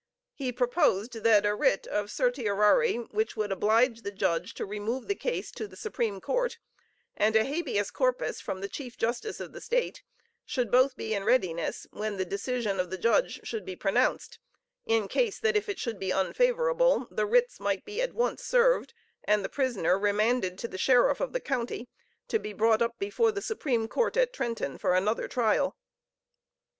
He proposed that a writ of certiorari which would oblige the judge to remove the case to the Supreme Court and a habeas corpus from the Chief Justice of the State, should both be in readiness when the decision of the judge should be pronounced, in case that if it should be unfavorable, the writs might be at once served, and the prisoner remanded to the sheriff of the county, to be brought up before the Supreme Court at Trenton for another trial.